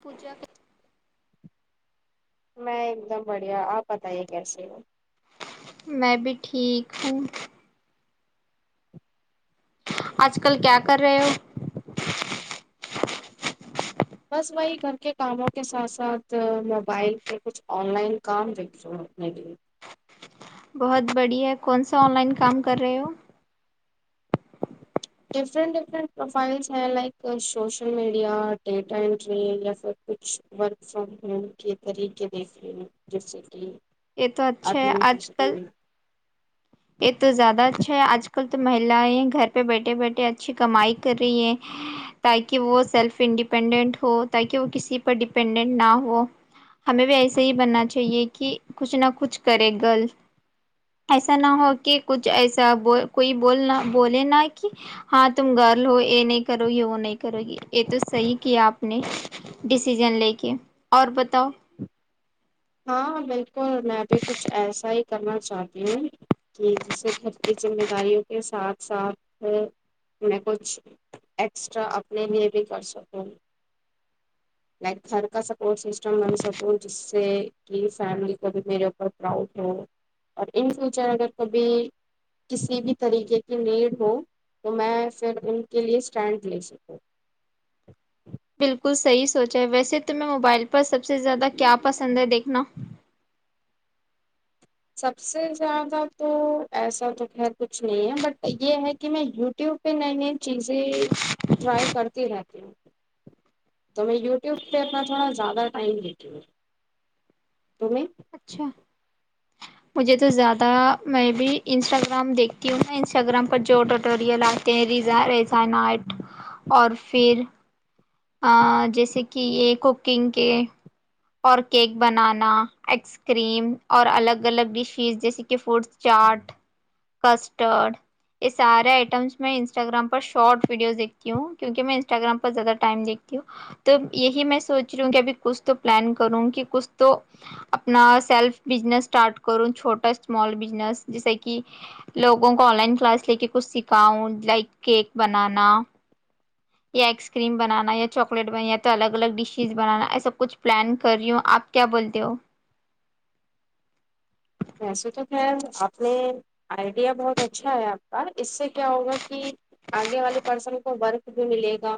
پوجا [unintelligible] میں ایک دم بڑھیا آپ بتائیے کیسے ہو میں بھی ٹھیک ہوں آج کل کیا کر رہے ہو بس وہی گھر کے کاموں کے ساتھ ساتھ موبائل پہ کچھ آن لائن کام دیکھ لوں اپنے لیے بہت بڑھیا کون سا آن لائن کام کر رہے ہو ڈفرنٹ ڈفرینٹ پروفائلس ہیں like social media data entry یا پھر کچھ ورک فرام ہوم کے طریقے دیکھ رہے ہ جیسے کہ یہ تو اچھا ہے آدمی ہو آج کل سکتی ہے یہ تو زیادہ اچھا ہے آج کل تو مہیلیں گھر پہ بیٹھے بیٹھے اچھی کمائی کر رہی ہیں تاکہ وہ سیلف انڈیپینڈنٹ ہو تاکہ وہ کسی پر ڈیپینڈنٹ نہ ہو ہمیں بھی ایس صحی بننا چاہیے کہ [unintelligible] کچھ نہ کچھ کرے گل ایسا ایسا نہ ہو کہ کچھ ایسا کوئی بولنا بولے نہا کہ ہاں تم گرل ہو یہ نہیں کرو گی وہ نہیں کرو گی یہ تو صحیح کیا آپ نے ڈسیزن لے کے اور بتاؤ [unintelligible] ہاں بالک [unintelligible] تو میں بھی کچھ ایسا ہی [unintelligible] کرنا چاہتی ہوں کہ جس سے گھر کی ذمہ داریوں کے ساتھ ساتھ میں کچھ ایکسٹرا اپنے لیے بھی کر سکوں لائک گھر کا سپورٹ سسٹم بن سکوں جس سے [unintelligible] کہ فیملی کو بھی میرے اوپر پراؤڈ ہو اور ان فیوچر اگر کبھی کسی بھی طریقے کی نیڈ ہو تو میں پھر ان کے لیے اسٹینڈ لے سکوں بالکل صحیح سوچ ہے ویسے تمہیں موبائل پر سب سے زیادہ کیا پسند ہے دیکھنا سب سے زیادہ تو ایسا تو خیر کچھ نہیں ہے بٹ یہ ہے کہ میں یوٹیوب پہ نئی نئی چیزیں ٹرائی کرتی رہتی ہوں تو میں یوٹیوب پہ اپنا تھوڑا زیادہ ٹائم دیتی ہوں ت اچھا مجھے تو زیادہ میں بھی انسٹاگرام دیکھتی ہوں نا انسٹاگررام پر جو ٹٹوریل آتے ہیں ریزائٹ اور پھر جیسے کہ یہ کوکنگ کے اور کیک بنانا ایس کریم اور الگ الگ ڈشیز جیسے کہ فوڈ چاٹ کسٹرڈ یہ سارے آئٹمس میں انسٹاگررام پر شارٹ ویڈیوز دیکتی ہوں کیوںکہ میں انسٹاگررام پر زیادہ ٹائم دیکھتی ہوں تو یہی میں سوچ رہی ہوں کہ ابھی کچھ تو پلان کروں کہ کچھ تو اپنا سیلف بزنس اسٹارٹ کروں چھوٹا اسمال بزنس جیسے کہ لوگوں کو آن لائن کلاس لے کے کچھ سکھاؤں لائک کیک بنانا یا آئس کریم بنانا یا چاکلیٹ بن یا تو الگ الگ ڈشز بنانا ایسا کچھ پلان کر رہی ہوں آپ کیا بولتے ہو ویسے تو خیر آپ نے آئیڈیا بہت اچھا ہے آپ کا اس سے کیا ہوگا کہ آگے والے پرسن کو ورک بھی ملے گا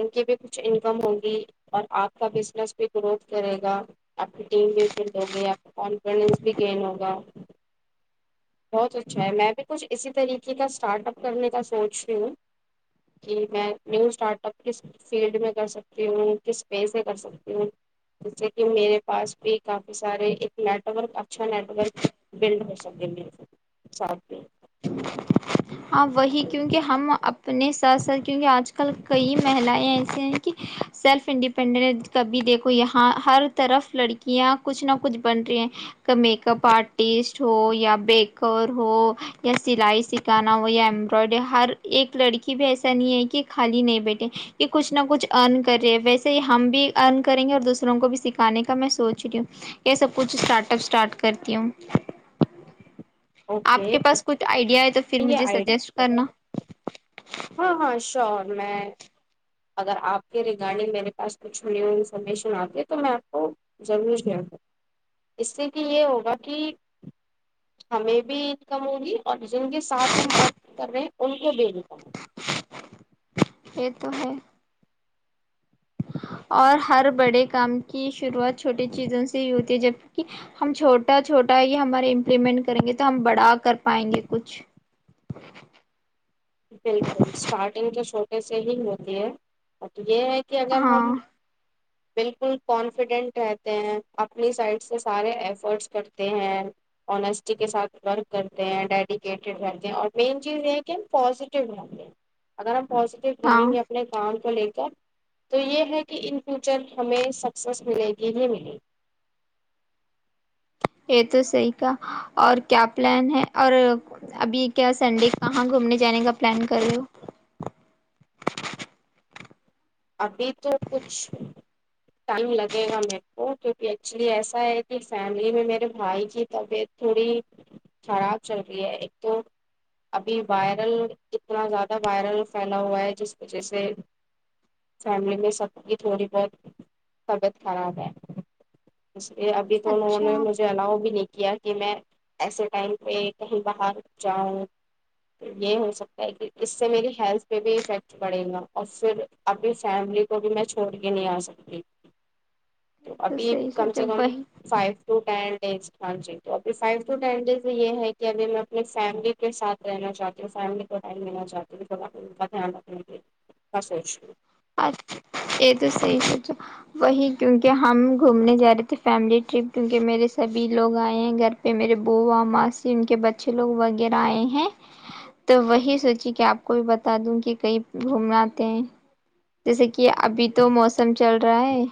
ان کی بھی کچھ انکم ہوگی اور آپ کا بزنس بھی گروتھ کرے گا آپ کی ٹیم بھی فلڈ ہوگی آپ کانفیڈینس بھی گین ہوگا بہت اچھا ہے میں بھی کچھ اسی طریقے کا اسٹارٹ اپ کرنے کا سوچ رہی ہوں کہ میں نیو اسٹارٹ اپ کس فیلڈ میں کر سکتی ہوں کس پیز سے کر سکتی ہوں جس سے کہ میرے پاس بھی کافی سارے ایک نیٹورک اچھا نیٹورک بلڈ ہو سکے م ساتھ میں ہاں وہی کیونکہ ہم اپنے ساتھ ساتھ کیونکہ آج کل کئی مہلائیں ایسی ہیں کہ سیلف انڈیپینڈنٹ کبھی دیکھو یہاں ہر طرف لڑکیاں کچھ نہ کچھ بن رہی ہیں ک میک اپ آرٹسٹ ہو یا بیکر ہو یا سلائی س سکھانا ہو یا امبرائڈری ہر ایک لڑکی بھی ایسا نہیں ہے کہ خالی نہیں بیٹھے یہ کچھ نہ کچھ ارن کر رہے ویسے ہی ہم بھی ارن کریں گے اور دوسروں کو بھی سکھانے کا میں سوچ رہی ہوں یہ سب کچھ اسٹارٹ اسٹارٹ کرتی ہوں آپ اوکے کے پاس کچھ آئیڈیا ہے تو ھر یہ مجھے آئی سجیسٹ کرنا [inaudible] ہم میں اگر آپ کے ریگارڈنگ میرے پاس کچھ نیو انفارمیشن آتی تو میں آپ کو ضرور د دوں اس سے کہ یہ ہوگا کہ ہمیں بھی انکم ہوگی اور جن کے ساتھ ہم ورک کر رہے ان کے بھیجتا یہ تو ہے اور ہر بڑے کام کی شروعات چھوٹی چیزوں سے ہی ہوتی ہے جبک ہم چھوٹا چھوٹا یہ ہمارے امپلیمنٹ کریں گے تو ہم بڑا کر پائیں گے کچھ بالکل اسٹارٹنگ کے چھوٹے سے ہی ہوتی ہے یہ ہے کہ اگر ہم ہاں بالکل کانفیڈینٹ رہتے ہیں اپنی سائڈ سے سارے ایفرٹس کرتے ہیں انیسٹی کے ساتھ ورک کرتے ہیں ڈیڈیکیٹیڈ رہتے ہیں اور مین چیز یہ کہ پازٹیو نہیں اگر ہم پزیٹیو ہاں رہیں گے اپنے کام لے کر تو یہ ہے کہ ان فیوچر ہمیں سکسیس ملے گی نہیں ملے گی یہ تو صحیح کا اور کیا پلان ہے اور ابھی کیا سنڈے کہاں گھومنے جانے کا پلان کر رہے ہو ابھی تو کچھ ٹائم لگے گا میرے کو کیونکہ ایکچولی ایسا ہے کہ فیملی میں میرے بھائی کی طبیعت تھوڑی خراب چل رہی ہے ایک تو ابھی وائرل اتنا زیادہ وائرل پھیلا ہوا ہے جس وجہ سے فیملی میں سب کی تھوڑی بہت طبیعت خراب ہے یہ ابھی تو انہوں اچھا نے مجھے الاؤ بھی لیک کیا کہ میں ایسے ٹائم پہ کہیں باہر جاؤں یہ ہو سکتا ہے کہ اس سے میری ہیلتھ پہ بھی افیکٹ بڑھے گا اور پھر انی فیملی کو بھی میں چھوڑ کے نہیں آ سکتی تو یہ ابھی صحیح کم سوچا سے کم وہی فائیو ٹو ٹین یز ہاں جی تو ابھی فائیو ٹو ٹین ڈیز یہ ہے کہ ابھی میں اپنی فیملی کے ساتھ رہنا چاہتی ہوں فیملی کو ٹائم لینا چاہتی ہوں تو آپ ان کا دھیان رکھنے کے کا سوچ رہ یہ تو صحی سوچا وہی کیونکہ ہم گھومنے جا رہے تھے فیملی ٹرپ کیونکہ میرے سبھی لوگ آئے ہیں گھر پہ میرے بوا ماسی ان کے بچے لوگ وغیرہ آئے ہیں تو وہی سوچی کہ آپ کو بھی بتا دوں کہ کئی گھومنا آے ہیں جیسے کہ ابھی تو موسم چل رہا ہے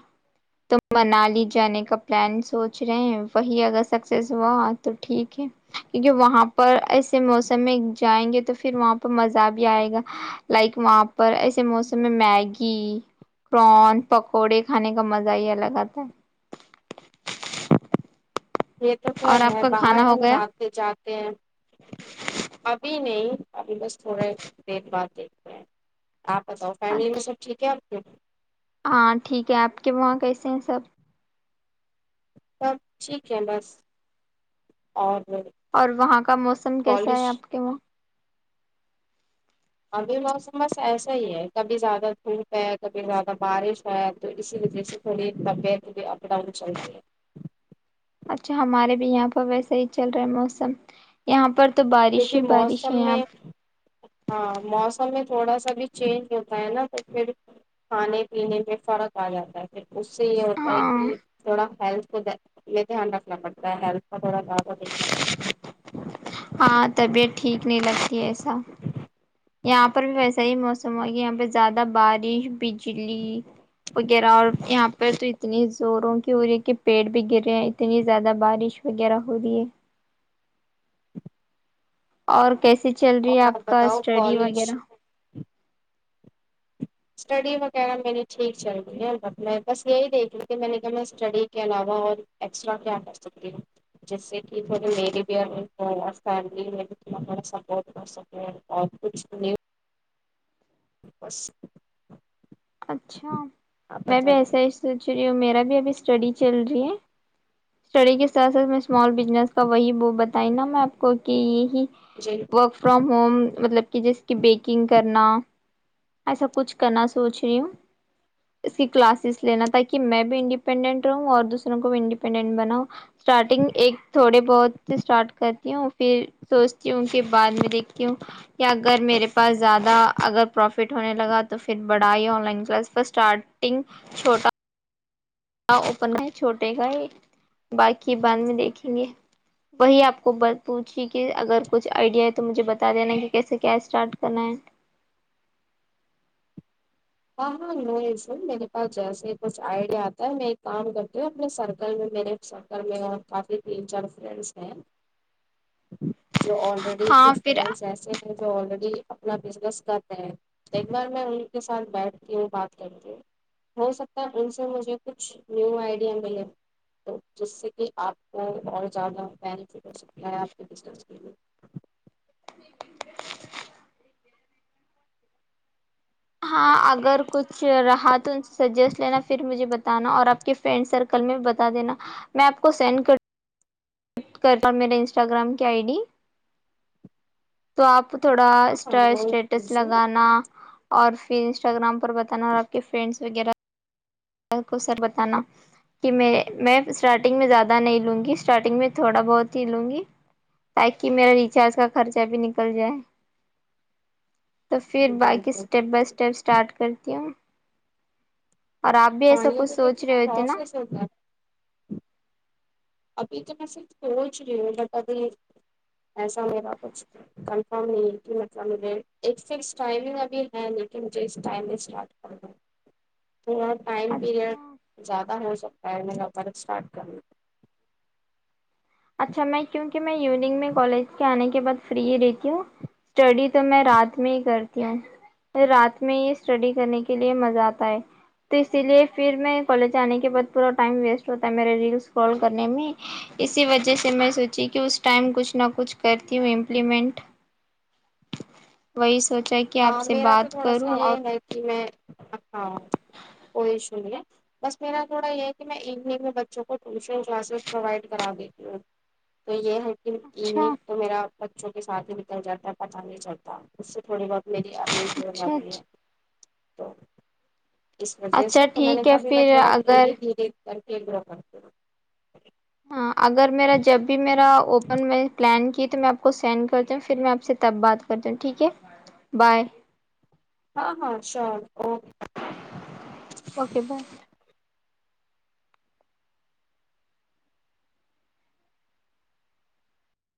تو منالی جانے کا پلان سوچ رہے ہیں وہی اگر سکسیس ہوا تو ٹھیک ہے کیونکہ وہاں پر ایسے موسم میں جائیں گے تو پھر وہاں پر مزہ بھی آئے گا لائک وہاں پر ایسے موسم میں میگی پرون پکوڑے کھانے کا مزہ ہی الگ آتا ہے یہ تو کیا اور آپ ہے کا باہر کھانا ہو ہم گیا جاتے جاتے ہیں ابھی نہیں ابھی بس تھوڑے دیر بعد دیکھتے ہیں آپ بتاؤ فیملی میں اچھا سب ٹھیک ہے آپ [unintelligible] ہاں ٹھیک ہے آپ کے وہاں کیسے ہیں سب سب ٹھیک ہے بس اور اور وہاں کا موسم کیسا کالج ہے آپ کے وہاں ابھی موسم بس ایسا ہی ہے کبھی زیادہ دھوپ ہے کبھی زیادہ بارش ہے تو اسی وجہ سے تھوڑی طبیعت بھی اپ ڈاؤن چلتی ہے اچھا ہمارے بھی یہاں پر ویسا ہی چل رہا ہے موسم یہاں پر تو بارش کیونکہ ہی بارش موسم ہے یہاں میں پر۔ ہاں موسم میں تھوڑا سا بھی چینج ہوتا ہے نا تو پھر کھانے پینے میں فرق آ جاتا ہے پھر اس سے یہ ہوتا ہے ہاں کہ تھوڑا ہیلتھ کو دھیان رکھنا پڑتا ہے ہیلتھ کا تھوڑا دعوا دیکھنا پڑتا ہے ہاں طبیعت ٹھیک نہیں لگتی کیسا یہاں پر بھی ویسا ہی موسم ہو کہ یہاں پہ زیادہ بارش بجلی وغیرہ اور یہاں پہ تو اتنی زوروں کی ہو رہی ہے کہ پیڑ بھی گر رہے ہیں اتنی زیادہ بارش وغیرہ ہو رہی ہے اور کیسے چل رہی ہے اور آپ کا بتاؤ اسٹڈی کالج وغیرہ اسٹڈی وغیرہ میں نے ٹھیک چل ہے ب میں بس یہی دیکھی کہ میں نے کیا میں اسٹڈی کے علاوہ اور ایکسٹرا کیا کر سکتی ہوں جس سے کہ تھوڑے میری بھی اور ان کو اور فیملی میں بھی تھوڑا تھوڑا سپورٹ کر سکوں اور کچھ بھی نہیں [unintelligible] اچھا آپ میں بھی بتائیے ایسا ہی سوچ رہی ہوں میرا بھی ابھی اسٹڈی چل رہی ہے اسٹڈی کے ساتھ ساتھ میں اسمال بزنس کا وہی ب بتائی نا میں آپ کو کہ جی ورک فرام ہوم مطلب کہ جیسے کہ بیکنگ کرنا ایسا کچھ کرنا سوچ رہی ہوں اس کی کلاسز لینا تاکہ میں بھی انڈیپینڈنٹ رہوں اور دوسروں کو بھی انڈیپینڈنٹ بناؤں اسٹارٹنگ ایک تھوڑے بہت اسٹارٹ کرتی ہوں پھر سوچتی ہوں کہ بعد میں دیکھتی ہوں کہ اگر میرے پاس زیادہ اگر پروفٹ ہونے لگا تو پھر بڑائی آن لائن پلس پر اسٹارٹنگ چھوٹا اوپن ہے چھوٹے کا باقی بعد میں دیکھیں گے وہی آپ کو پوچھی کہ اگر کچھ آئیڈیا ہے تو مجھے بتا دینا کہ کیسے کیا اسٹارٹ کرنا ہے ہاں ہاں لو س میرے پاس جیسے ہی کچھ آئیڈیا آتا ہے میں ایک کام کرتی ہوں اپنے سرکل میں میرے سرکل میں اور کافی تین چار فرینڈس ہیں جو آلریڈی ہاں کچھ پھر فرینڈ ایسے ہیں جو آلریڈی اپنا بزنس کرتے ہیں تو ایک بار میں ان کے اتھ بیٹھتی ہ بات کر ہ ہو سکتا ہے ان سے مجھے کچھ نیو آئیڈیا ملے تو جس سے کہ آپ کو اور زیادہ بینیفٹ ہو سکتا ہے آپ کے بس کے لیے [unintelligible] ہاں اگر کچھ رہا تو ان سے سجیسٹ لینا پھر مجھے بتانا اور آپ کے فرینڈ سرکل میں بتا دینا میں آپ کو سینڈ کر ٹ کر میرے انسٹاگرام کی آئی ڈی تو آپ تھوڑا اسٹ اسٹیٹس لگانا اور پھر انسٹاگر کو سر بتانا کہ میں اسٹارٹنگ میں زیادہ نہیں لوں گی اسٹارٹنگ میں تھوڑا بہت ہی لوں گی تاکہ میرا ریچارج کا خرچہ بھی نکل جائے تو پھر باقی اسٹیپ بائی اسٹپ اسٹارٹ کرتی ہوں اور آپ بھی ہاں ایسا یہ کچھ سوچ دیکھیے رہے ہو تھے نا پروسیس ہوتا ہے ابھی تو میں صرف سوچ رہی ہوں بٹ ابھی ایسا میرا کچھ کنفرم نہیں کہ مطلب مجھے ایک فس ٹائمنگ ابھی ہے لیکن مجھے اس ٹائم میں اسٹارٹ کر د تھوڑا ٹائم پیریڈ اچھا زیادہ ہو سکتا ا نے وپارٹارٹ کرنا اچھا میں کیوںک میں ایوننگ میں کالج کے آنے کے بعد فری ہی رہتی ہوں اسٹڈی تو میں رات میں ہی کرتی ہوں رات میں ہی اسٹڈی کرنے کے لیے مزہ آتا ہے تو اسی لیے پھر میں کالج آنے کے بعد پورا ٹائم ویسٹ ہوتا ہے میرے ریلس کال کرنے میں وجہ سے میں سوچی کہ اس ٹائم کچھ نہ کچھ کرتی ہوں امپلیمنٹ وہی سب ہاں میرا تو تھوڑا سا یہ ہے کہ میں ہاں کوئی ایشو نہیں ہے بس میرا تھوڑا یہ ہے کہ میں ایوننگ میں بچوں کو [unintelligible] ٹیوشن کلاسس پروائڈ کراو [unintelligible] تو یہ ہے [unintelligible] اچھا کلینک تو میرا [unintelligible] بچوں کے سات ہی نکل جاتا ہے پتہ نہیں چلتا اس سے تھوڑی بہت [unintelligible] میری آپمی پ اچھا کری ہے اچھا [unintelligible] تو [unintelligible] اس وجہ اچھا سے تو میں نے ٹھیک ہے کہبھی میں پھر تھوڑا اگر دھیرے دھیرے سر کے گرا پتے [unintelligible] وپن میں [unintelligible] س کی تو میں آپ کو سینڈ کرتا ہوں پھر میں آپ سے تب بات کرتا ہوں ٹھیک ہے بائے [unintelligible] ہاں ہاں شور اوکے اوکے بائے [unintelligible]